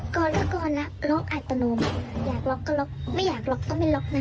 ก่อนละก่อนนะล็อกอัตโนมัติอยากล็อกก็ล็อกไม่อยากล็อกก็ไม่ล็อกนะ